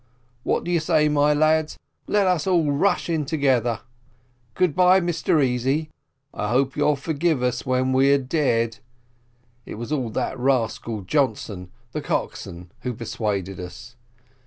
What do you say, my lads? let's all rush in together: good bye, Mr Easy, I hope you'll forgive us when we're dead it was all that rascal Johnson, the coxswain, who persuaded us.